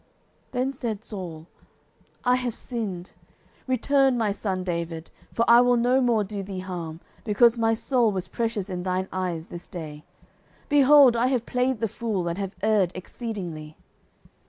09:026:021 Then said Saul, I have sinned: return, my son David: for I will no more do thee harm, because my soul was precious in thine eyes this day: behold, I have played the fool, and have erred exceedingly.